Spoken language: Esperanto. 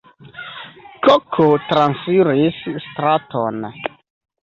Koko transiris straton.